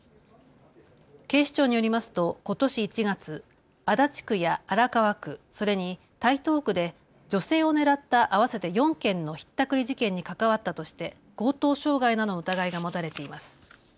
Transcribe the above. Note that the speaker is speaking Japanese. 警視庁によりますとことし１月、足立区や荒川区、それに台東区で女性を狙った合わせて４件のひったくり事件に関わったとして強盗傷害などの疑いが持たれています。